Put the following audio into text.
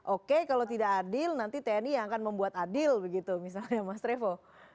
oke kalau tidak adil nanti tni yang akan membuat adil begitu misalnya mas revo